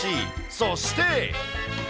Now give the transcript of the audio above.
そして。